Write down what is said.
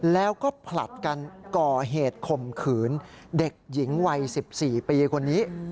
แล้วก็ผลัดกันก่อเหตุข่มขืนเด็กหญิงวัย๑๔ปีคนนี้